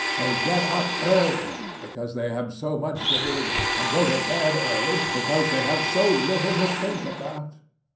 They get up early, because they have so much to do, and go to bed early, because they have so little to think about.